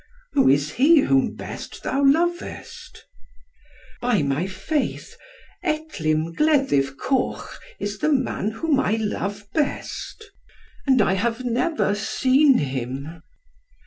"Who is he whom best thou lovest?" "By my faith, Etlym Gleddyv Coch is the man whom I love best, and I have never seen him."